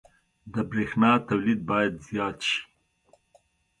• د برېښنا تولید باید زیات شي.